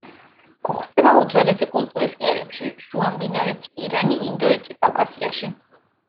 გვხვდება უძველესი კულტურის კერებში: შუამდინარეთი, ირანი, ინდოეთი, კავკასიაში.